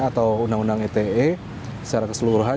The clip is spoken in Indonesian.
atau undang undang ite secara keseluruhan